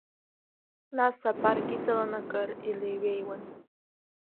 Нас апарк иҵаланы акыр илеиҩеиуан.